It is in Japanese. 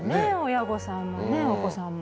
親御さんもねお子さんも。